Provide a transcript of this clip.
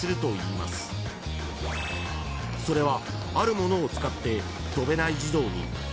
［それは］